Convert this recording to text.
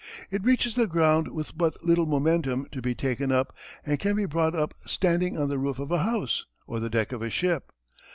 It reaches the ground with but little momentum to be taken up and can be brought up standing on the roof of a house or the deck of a ship.